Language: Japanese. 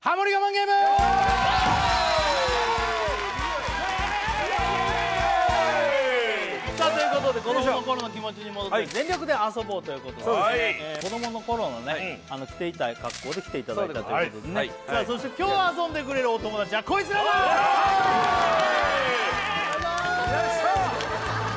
ゲームイエイ！ということで子どもの頃の気持ちに戻って全力で遊ぼうということで子どもの頃の着ていた格好で来ていただいたということでねそして今日遊んでくれるお友達はこいつらだ！よいしょ！